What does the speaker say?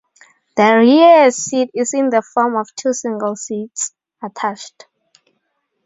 The rear seat is in the form of two single seats attached.